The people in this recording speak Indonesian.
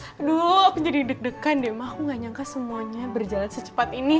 aduh aku jadi deg degan deh mah aku gak nyangka semuanya berjalan secepat ini